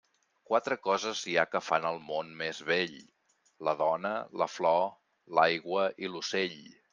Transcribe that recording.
Quatre coses hi ha que fan el món més bell: la dona, la flor, l'aigua i l'ocell.